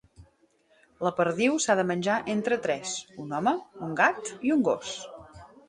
La perdiu s'ha de menjar entre tres: un home, un gat i un gos.